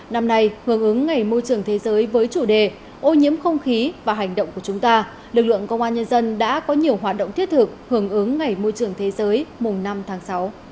năm nay hướng ứng ngày môi trường thế giới với chủ đề ô nhiễm không khí và hành động của chúng ta lực lượng công an nhân dân đã có nhiều hoạt động thiết thực hưởng ứng ngày môi trường thế giới mùng năm tháng sáu